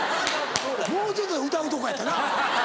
もうちょっとで歌うとこやったな。